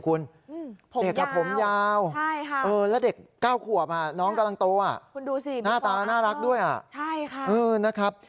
คุณผมเด็กและผมยาวดูน่ารักด้วยอ่ะใช่ค่ะเออนะครับ